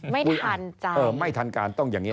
ไม่ทันใจไม่ทันการต้องอย่างนี้